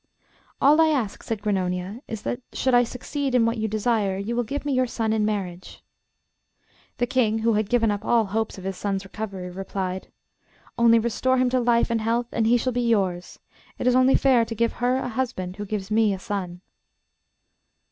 'All I ask,' said Grannonia, 'is that, should I succeed in what you desire, you will give me your son in marriage.' The King, who had given up all hopes of his son's recovery, replied: 'Only restore him to life and health and he shall be yours. It is only fair to give her a husband who gives me a son.